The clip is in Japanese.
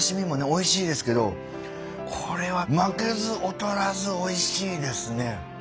おいしいですけどこれは負けず劣らずおいしいですね。